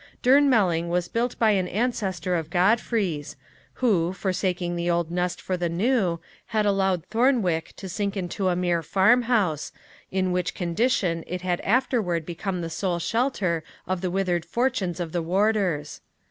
Durnmelling was built by an ancestor of Godfrey's, who, forsaking the old nest for the new, had allowed Thornwick to sink into a mere farmhouse, in which condition it had afterward become the sole shelter of the withered fortunes of the Wardours.